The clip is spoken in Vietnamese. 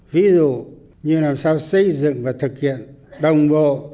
ví dụ như làm sao xây dựng và thực hiện đồng bộ